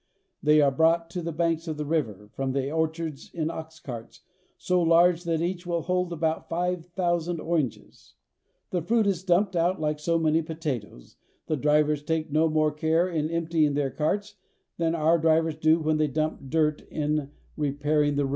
They are brought to the banks of the river from the orchards in ox carts so large that each will hold about five thousand oranges. The fruit is dumped out hke so many potatoes, the drivers taking no more care in emptying their carts than our drivers do when they dump dirt in repairing the roads.